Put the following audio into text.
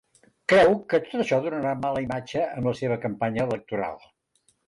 Creu que tot això donarà mala imatge en la seva campanya electoral.